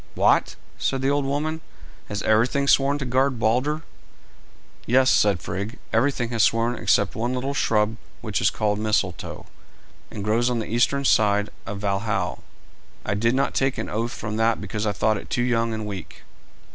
"What!" said the old woman, "has everything sworn to guard Balder?" "Yes," said Frigg, "everything has sworn except one little shrub which is called Mistletoe, and grows on the eastern side of Valhal. I did not take an oath from that because I thought it too young and weak."